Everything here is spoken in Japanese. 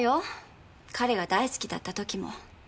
彼が大好きだった時も。